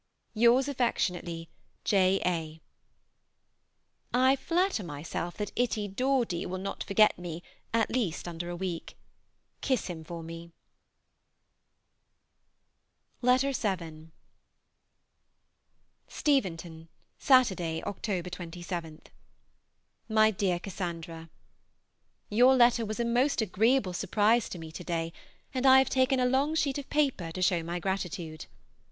Yours affectionately, J. A. I flatter myself that itty Dordy will not forget me at least under a week. Kiss him for me. Miss AUSTEN, Godmersham Park, Faversham. VII. STEVENTON, Saturday (October 27). MY DEAR CASSANDRA, Your letter was a most agreeable surprise to me to day, and I have taken a long sheet of paper to show my gratitude.